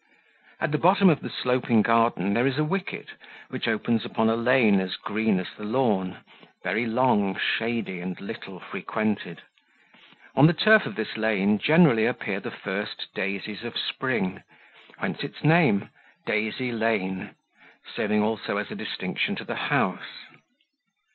At the bottom of the sloping garden there is a wicket, which opens upon a lane as green as the lawn, very long, shady, and little frequented; on the turf of this lane generally appear the first daisies of spring whence its name Daisy Lane; serving also as a distinction to the house.